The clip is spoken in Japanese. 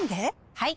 はい！